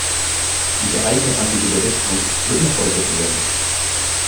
Diese eigenartige Berechnung wird noch heute verwendet.